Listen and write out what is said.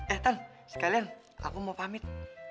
eh tan sekalian aku mau pamit